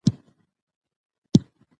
دغه ناول د تاریخ او ادب یوه ښکلې مجموعه ده.